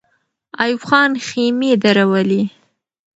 ایوب خان خېمې درولې.